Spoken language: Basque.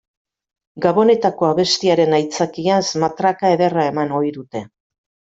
Gabonetako abestiaren aitzakiaz matraka ederra eman ohi dute.